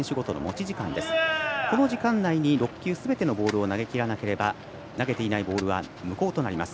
この時間内に６球すべてのボールを投げきらなければ投げていないボールは無効になります。